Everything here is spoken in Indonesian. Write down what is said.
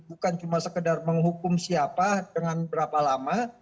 bukan cuma sekedar menghukum siapa dengan berapa lama